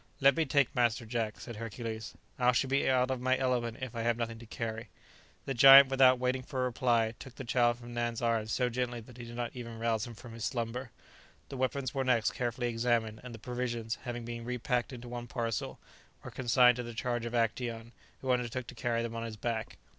"Let me take Master Jack," said Hercules; "I shall be out of my element if I have nothing to carry." The giant, without waiting for a reply, took the child from Nan's arms so gently that he did not even rouse him from his slumber. The weapons were next carefully examined, and the provisions, having been repacked into one parcel, were consigned to the charge of Actæon, who undertook to carry them on his back.